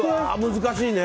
難しいね！